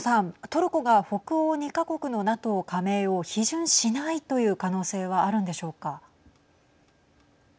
トルコが北欧２か国のＮＡＴＯ加盟を批准しないという可能性はあるんでしょうか。